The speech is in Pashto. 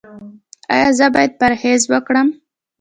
ایا زه باید پرهیز وکړم؟